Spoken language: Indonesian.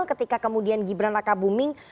ketika kemudian gibran raka buming